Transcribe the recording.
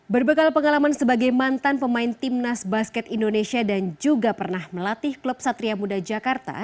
berbekal pengalaman sebagai mantan pemain timnas basket indonesia dan juga pernah melatih klub satria muda jakarta